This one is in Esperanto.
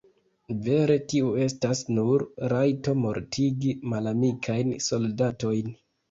Vere tiu estas nur rajto mortigi malamikajn soldatojn.